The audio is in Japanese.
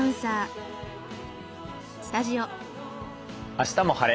「あしたも晴れ！